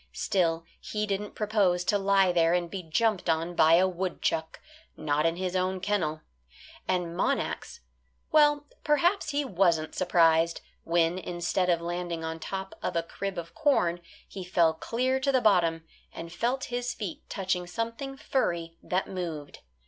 Still, he didn't propose to lie there and be jumped on by a woodchuck not in his own kennel. And Monax well, perhaps he wasn't surprised when, instead of landing on top of a crib of corn he fell clear to the bottom, and felt his feet touching something furry that moved.